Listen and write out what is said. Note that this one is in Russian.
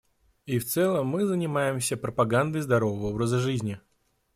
И в целом мы занимаемся пропагандой здорового образа жизни.